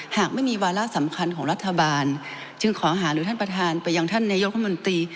หากไม่มีวาระสำคัญของรัฐบาลจึงขอหาหรือท่านประธานไปยังท่านนายกรัฐมนตรี